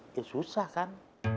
itu susah kan